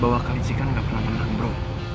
bahwa kelicikan gak pernah menang bro